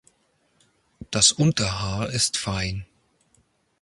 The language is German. Das Unterhaar ist fein.